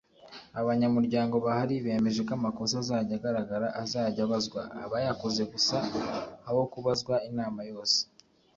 abanyamuryango bahari bemeje ko amakosa azajya agaragara azajya abazwa abayakoze gusa ahokubazwa inama yose.